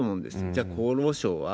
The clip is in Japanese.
じゃあ厚労省は？